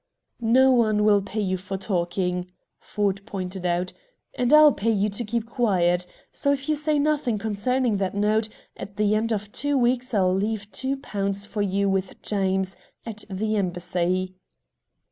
"No one will pay you for talking," Ford pointed out, "and I'll pay you to keep quiet. So, if you say nothing concerning that note, at the end of two weeks, I'll leave two pounds for you with James, at the Embassy."